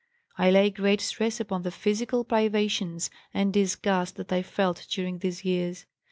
"I lay great stress upon the physical privations and disgust that I felt during these years.